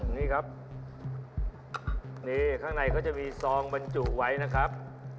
นี่ครับนี่ข้างในก็จะมีซองบรรจุไว้นะครับ